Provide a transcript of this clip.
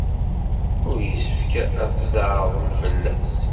Ur yessefk ara ad tzeɛḍem fell-as.